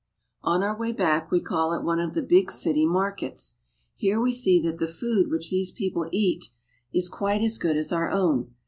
On our way back we call at one of the big city mar kets. Here we see that the food which these people eat is quite as good as our own.